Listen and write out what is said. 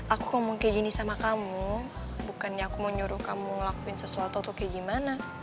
aku ngomong kayak gini sama kamu bukannya aku mau nyuruh kamu ngelakuin sesuatu atau kayak gimana